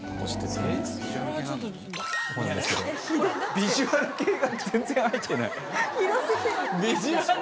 ヴィジュアル系が全然入ってない。